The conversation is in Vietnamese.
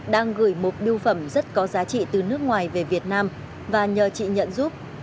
đang gửi một biêu phẩm rất có giá trị từ nước ngoài về việt nam và nhờ chị nhận giúp